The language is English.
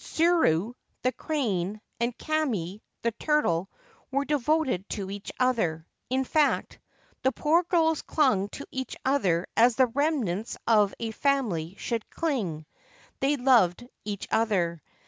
Tsumi (the crane) and Kame (the turtle) were devoted to each other ; in fact, the poor girls clung to each other as the remnants of a family should cling. They loved each other.